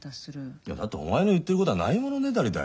いやだってお前の言ってることはないものねだりだよ。